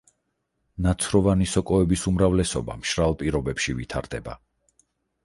ნაცროვანი სოკოების უმრავლესობა მშრალ პირობებში ვითარდება.